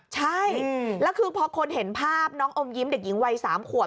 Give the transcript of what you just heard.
ใช่แล้วคือพอคนเห็นภาพน้องอมยิ้มเด็กหญิงวัย๓ขวบ